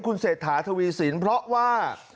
คุณเศรษฐาทวีสินเพราะว่า